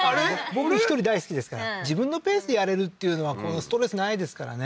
僕１人大好きですから自分のペースでやれるっていうのはストレスないですからね